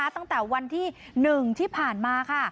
ตั้งแต่วันที่๑ที่ผ่านมาค่ะ